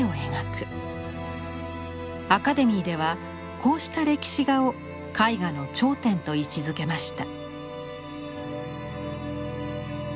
アカデミーではこうした歴史画を絵画の頂点と位置づけました。